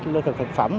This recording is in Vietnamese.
lương thực thực phẩm